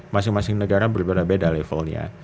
masing masing negara berbeda beda levelnya